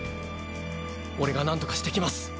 俺がなんとかしてきます。